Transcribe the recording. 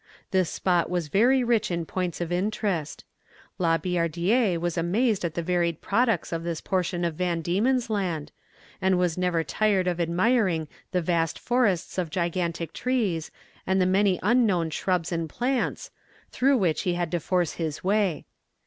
This spot was very rich in points of interest. La Billardière was amazed at the varied products of this portion of Van Diemen's Land, and was never tired of admiring the vast forests of gigantic trees, and the many unknown shrubs and plants, through which he had to force his way.